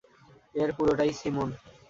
এর পুরোটা ই সিমোন।